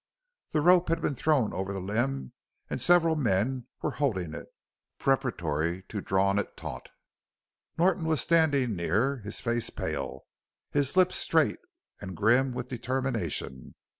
The rope had been thrown over the limb and several men were holding it, preparatory to drawing it taut. Norton was standing near, his face pale, his lips straight and grim with determination.